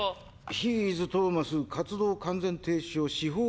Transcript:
「ヒーイズトーマス活動完全停止を司法局が決定？